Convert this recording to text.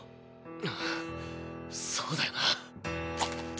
あぁそうだよな。